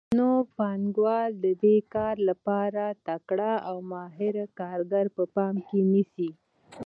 نو پانګوال د دې کار لپاره تکړه او ماهر کارګر په پام کې نیسي